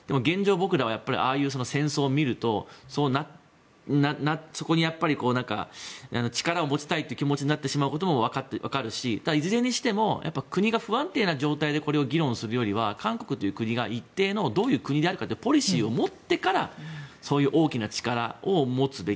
僕らはああいう戦争を見るとそこに力を持ちたいという気持ちになってしまうこともわかるしいずれにしても国が不安定な状態でこれを議論するよりは韓国という国が一定のどういう国があるかというポリシーを持ってからそういう大きな力を持つべき。